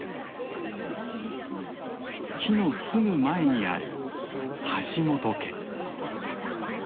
木のすぐ前にある橋本家。